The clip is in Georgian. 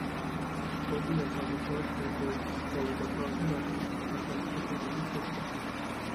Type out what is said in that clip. კონტინენტს აღმოსავლეთიდან ინდოეთის ხოლო დასავლეთიდან ატლანტის ოკეანეები საზღვრავს.